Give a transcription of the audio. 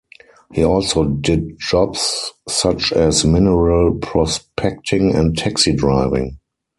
He also did jobs such as mineral prospecting and taxi driving.